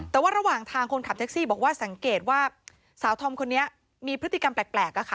แต่ว่าระหว่างทางคนขับแท็กซี่บอกว่าสังเกตว่าสาวธอมคนนี้มีพฤติกรรมแปลกอะค่ะ